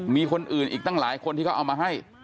มีคนอื่นอีกตั้งหลายคนที่เขาเอามาให้